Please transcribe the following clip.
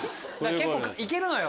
結構行けるのよ。